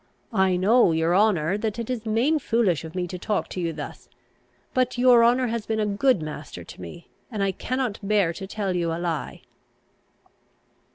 I know, your honour, that it is main foolish of me to talk to you thus; but your honour has been a good master to me, and I cannot bear to tell you a lie."